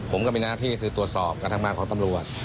ผมก็มีหน้าที่คือตรวจสอบการทำงานของตำรวจ